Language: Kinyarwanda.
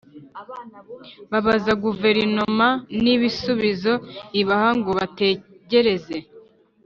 Babaza Guverinoma n’ ibisubizo ibaha ngo bategereze